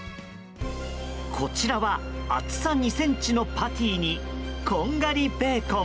こちらは、厚さ２ｃｍのパティにこんがりベーコン。